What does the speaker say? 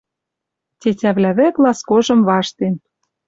Тетявлӓ вӹк ласкожым ваштен.